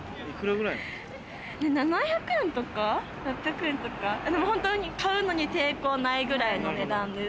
７００円とか６００円とか、買うのに抵抗ないくらいの値段です。